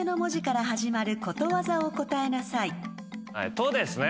「と」ですね。